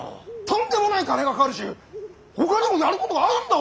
とんでもない金がかかるしほかにもやることがあるんだ